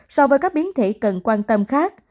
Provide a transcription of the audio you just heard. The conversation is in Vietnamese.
so với các biến thể cần quan tâm khác